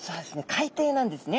海底なんですね。